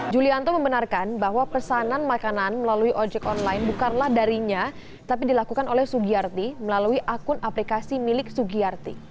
julianto membenarkan bahwa pesanan makanan melalui ojek online bukanlah darinya tapi dilakukan oleh sugiyarti melalui akun aplikasi milik sugiyarti